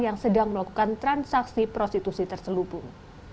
yang sedang melakukan transaksi prostitusi terselubung